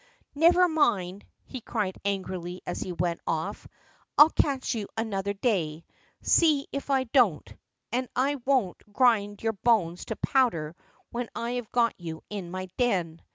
"Never mind!" he cried angrily as he went off. "I'll catch you another day, see if I don't; and won't I grind your bones to powder when I have got you in my den!"